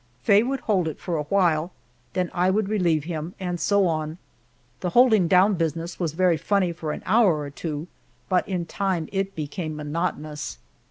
Faye would hold it for a while, then I would relieve him, and so on. The holding down business was very funny for an hour or two, but in time it became monotonous.